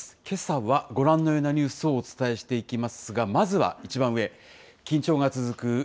けさはご覧のようなニュースをお伝えしていきますが、まずは一番上、緊張が続く